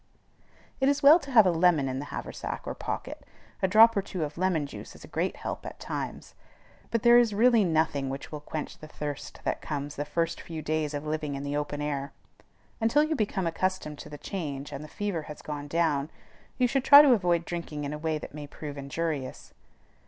It is well to have a lemon in the haversack or pocket: a drop or two of lemon juice is a great help at times; but there is really nothing which will quench the thirst that comes the first few days of living in the open air. Until you become accustomed to the change, and the fever has gone down, you should try to avoid drinking in a way that may prove injurious.